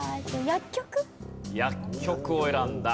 薬局を選んだ。